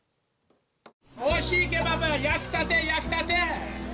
おいしいケバブ焼きたて、焼きたて！